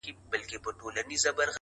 ځوان په لوړ ږغ،